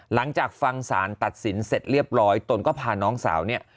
หลังจากฟังสารตัดสินเสร็จเรียบร้อยตนก็พาน้องสาวเนี่ย